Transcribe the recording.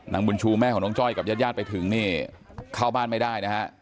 บุญชูแม่ของน้องจ้อยกับญาติญาติไปถึงนี่เข้าบ้านไม่ได้นะฮะ